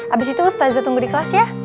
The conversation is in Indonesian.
abis itu staza tunggu di kelas ya